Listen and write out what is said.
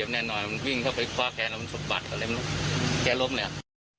มันวิ่งเข้าไปกว้าแขนแล้วมันสุดบัดกว่าอะไรมันแกล้งลบเลยอ่ะ